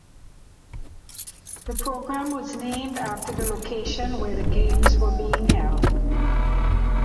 The programme was named after the location where the Games were being held.